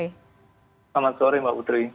selamat sore mbak putri